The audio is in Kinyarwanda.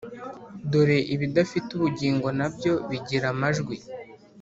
dore ibidafite ubugingo na byo bigira amajwi